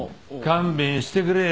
勘弁してくれよ。